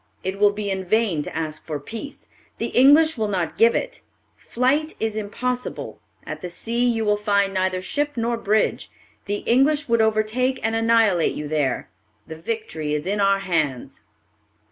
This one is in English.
It will be in vain to ask for peace; the English will not give it. Flight is impossible; at the sea you will find neither ship nor bridge; the English would overtake and annihilate you there. The victory is in our hands."